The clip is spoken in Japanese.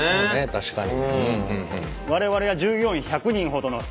確かに。